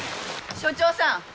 署長さん！